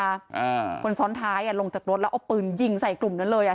อ่าคนซ้อนท้ายอ่ะลงจากรถแล้วเอาปืนยิงใส่กลุ่มนั้นเลยอ่ะ